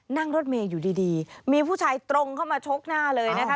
นั่งรถเมย์อยู่ดีมีผู้ชายตรงเข้ามาชกหน้าเลยนะคะ